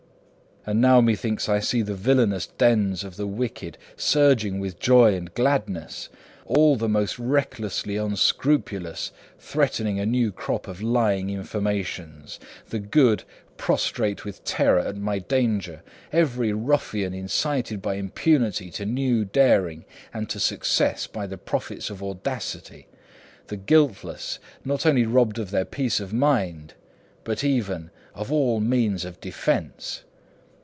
'And now methinks I see the villainous dens of the wicked surging with joy and gladness, all the most recklessly unscrupulous threatening a new crop of lying informations, the good prostrate with terror at my danger, every ruffian incited by impunity to new daring and to success by the profits of audacity, the guiltless not only robbed of their peace of mind, but even of all means of defence.